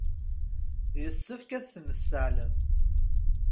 Yessefk ad ten-nesseɛlem.